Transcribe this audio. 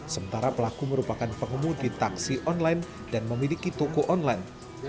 sementara pelaku merupakan pengemudi taksi online dan memiliki toko online